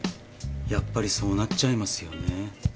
やっぱりそうなっちゃいますよね。